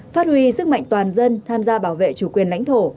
phát huy sức mạnh toàn dân tham gia bảo vệ chủ quyền lãnh thổ